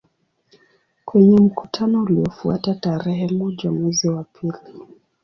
Kwenye mkutano uliofuata tarehe moja mwezi wa pili